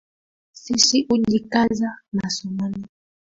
Sisi hujikaza masomoni